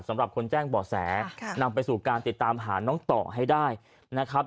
สำหรับคนแจ้งบ่อแสนำไปสู่การติดตามหาน้องต่อให้ได้นะครับ